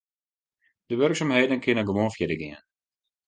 De wurksumheden kinne gewoan fierder gean.